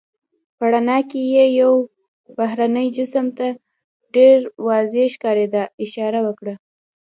په رڼا کې یې یو بهرني جسم ته، چې ډېر واضح ښکارېده اشاره وکړه.